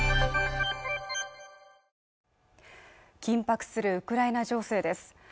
緊迫するウクライナ情勢です